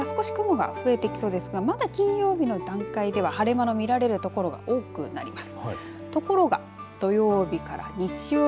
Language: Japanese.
金曜日ごろから少し雲が増えてきそうですがまだ金曜日の段階では晴れ間の見られる所が多くなります。